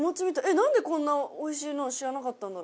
なんでこんなおいしいのを知らなかったんだろ。